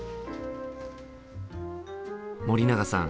森永さん